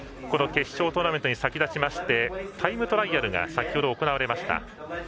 この決勝トーナメントに先立ちましてタイムトライアルが行われました。